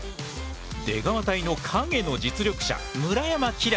出川隊の陰の実力者村山輝星。